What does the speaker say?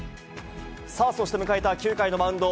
さあ、そして迎えた９回のマウンド。